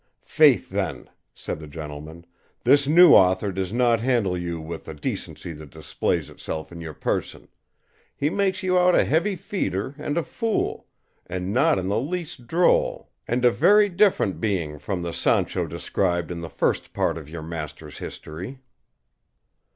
"Faith, then," said the gentleman, "this new author does not handle you with the decency that displays itself in your person; he makes you out a heavy feeder and a fool, and not in the least droll, and a very different being from the Sancho described in the First Part of your master's history."